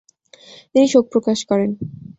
তিনি শোক প্রকাশ করেন।